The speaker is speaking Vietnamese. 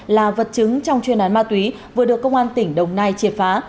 là vật chứng trong chuyên án ma túy vừa được công an tỉnh đồng nai triệt phá